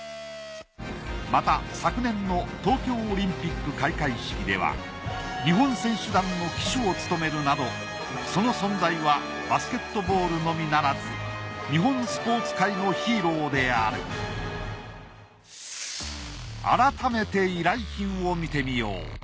また昨年の東京オリンピック開会式では日本選手団の旗手を務めるなどその存在はバスケットボールのみならず日本スポーツ界のヒーローである改めて依頼品を見てみよう。